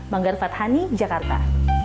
banggar fathani jakarta